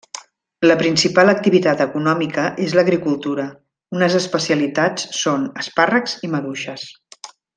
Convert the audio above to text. La principal activitat econòmica és l'agricultura, unes especialitats són espàrrecs i maduixes.